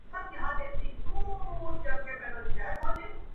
دا د یزید او کربلا لښکري؛